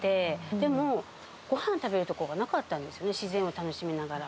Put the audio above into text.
でも、ごはん食べる所がなかったんですよね、自然を楽しみながら。